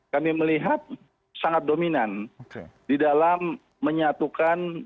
kami melihat sangat dominan di dalam menyatukan